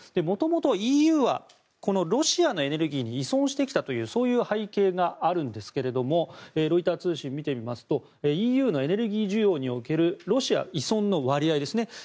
もともと、ＥＵはこのロシアのエネルギーに依存してきたという背景があるんですけどもロイター通信を見てみますとＥＵのエネルギー需要におけるロシア依存の割合ですね。